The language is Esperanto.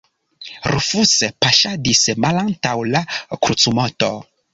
Rufus paŝadis malantaŭ la krucumoto.